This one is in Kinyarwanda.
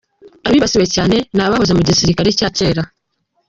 Abibasiwe cyane ni abahoze mu gisirikare cya kera.